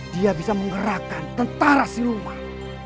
dia bisa menggerakkan tentara si rumah